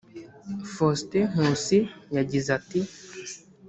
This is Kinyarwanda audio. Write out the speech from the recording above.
Faustin Nkusi yagize ati